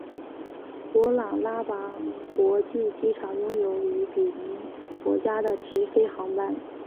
琅勃拉邦国际机场拥有与毗邻国家的直飞航班。